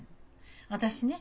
私ね